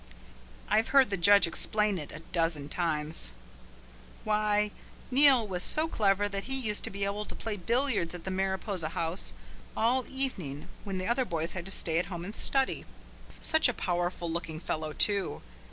I've heard the judge explain it a dozen times. Why, Neil was so clever that he used to be able to play billiards at the Mariposa House all evening when the other boys had to stay at home and study. Such a powerful looking fellow, too!